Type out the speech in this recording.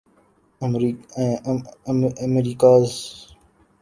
Americas